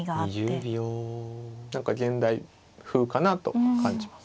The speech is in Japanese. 何か現代風かなと感じます。